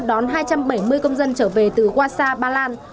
đón hai trăm bảy mươi công dân trở về từ wasa ba lan